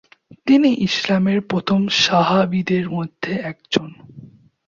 তিনি ইসলামের প্রথম সাহাবীদের মধ্যে একজন।